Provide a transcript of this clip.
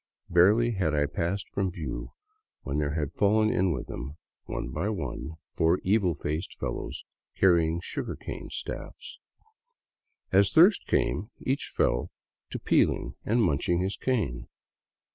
Barely had i passed from view when there had fallen in with them, one by one, four evil faced fellows carrying sugarcane staffs. As thirst came, each fell to peeling and munching his cane.